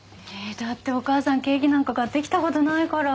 だってお母さんケーキなんか買ってきたことないから。